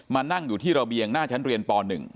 นั่งอยู่ที่ระเบียงหน้าชั้นเรียนป๑